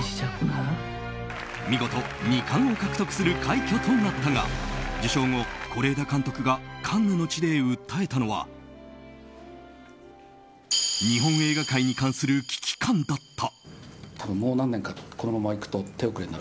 見事２冠を獲得する快挙となったが受賞後、是枝監督がカンヌの地で訴えたのは受賞後是枝裕和監督が語ったのは日本映画界に関する危機感だった。